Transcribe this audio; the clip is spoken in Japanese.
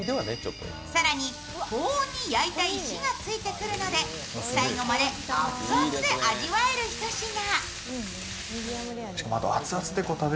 更に高温に焼いた石がついてくるので最後まで熱々で味わえるひと品。